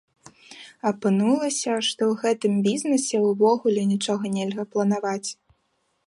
Апынулася, што ў гэтым бізнесе ўвогуле нічога нельга планаваць.